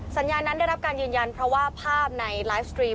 สัญญานั้นได้รับการยืนยันเพราะว่าภาพในไลฟ์สตรีม